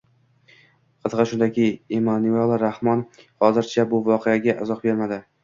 Qizig'i shundaki, Emomali Rahmon hozircha bu voqeaga izoh bermadi